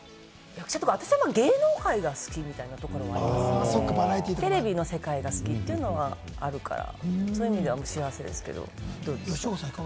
私は芸能界が好きみたいなところがありますかね、テレビの世界が好きというのがあるから、そういうのでは幸せですけれどもどうですか？